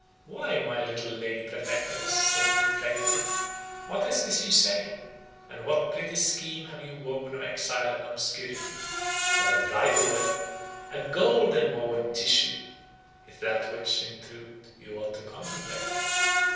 "Why, my little Lady Protectress," said he, playfully, "what is this you say? And what pretty scheme have you woven of exile and obscurity, while a brighter web, a gold enwoven tissue, is that which, in truth, you ought to contemplate?"